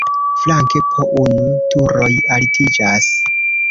Flanke po unu turoj altiĝas.